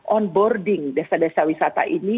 onboarding desa desa wisata ini